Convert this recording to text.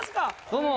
どうも。